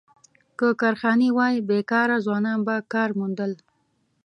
که کارخانې وای، بېکاره ځوانان به کار موندل.